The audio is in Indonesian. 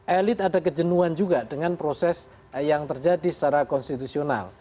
elit ada kejenuhan juga dengan proses yang terjadi secara konstitusional